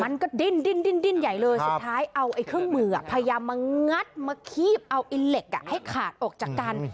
มันก็ดิ้นใหญ่เลยสุดท้ายเอาเครื่องมือพยายามมางัดมาคีบเอาไอ้เหล็กให้ขาดออกจากกัน